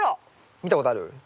見たことある？